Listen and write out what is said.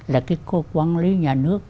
là cái cốt quản lý nhà nước